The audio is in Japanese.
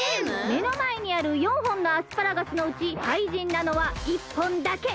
めのまえにある４本のアスパラガスのうちかいじんなのは１本だけ。